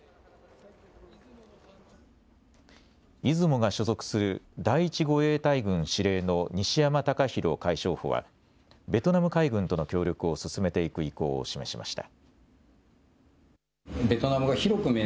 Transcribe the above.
いずもが所属する第１護衛隊群司令の西山高広海将補はベトナム海軍との協力を進めていく意向を示しました。